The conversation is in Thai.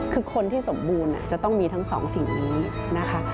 คือคนที่สมบูรณ์จะต้องมีทั้งสองสิ่งนี้นะคะ